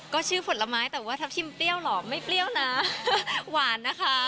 ก็ชื่อผลไม้แต่ว่าทับทิมเปรี้ยวเหรอไม่เปรี้ยวนะหวานนะคะ